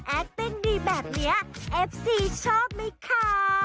แอกติ้งดีแบบเนี้ยเอฟซีชอบมั้ยคะ